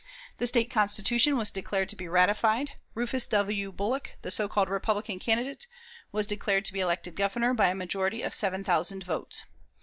The State Constitution was declared to be ratified; Rufus W. Bullock, the so called Republican candidate, was declared to be elected Governor by a majority of seven thousand votes.